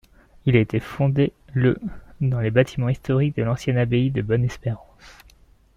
Il a été fondé le dans les bâtiments historiques de l'ancienne abbaye de Bonne-Espérance.